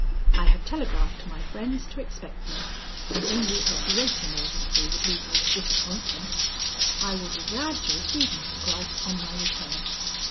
"I have telegraphed to my friends to expect me, and only a great emergency would lead me to disappoint them. I will be glad to receive Mr. Gryce on my return."